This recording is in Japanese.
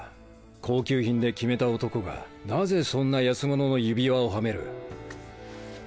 高級品でキメた男がなぜそんな安物の指輪をはめる。